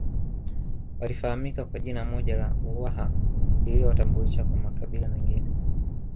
Walifahamika kwa jina moja la Uwaha lililowatambulisha kwa makabila mengine